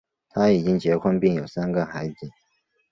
他已经结婚并有三个孩子。